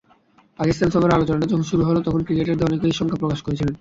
পাকিস্তান সফরের আলোচনাটা যখন শুরু হলো, তখন ক্রিকেটারদের অনেকেই শঙ্কা প্রকাশ করেছিলেন।